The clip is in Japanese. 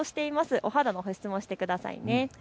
お肌の保湿、してください。